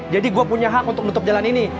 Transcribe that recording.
jadi gue punya hak untuk nutup jalan ini